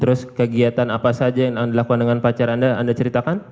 terus kegiatan apa saja yang dilakukan dengan pacar anda anda ceritakan